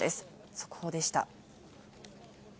速報でした。